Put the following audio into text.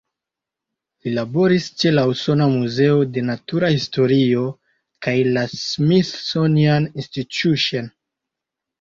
Li laboris ĉe la Usona Muzeo de Natura Historio kaj la "Smithsonian Institution".